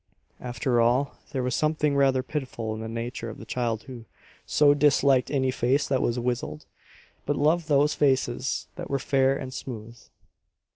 After all, there was something rather pitiful in the nature of the child who so disliked any face that was "wizzled," but loved those faces that were fair and smooth.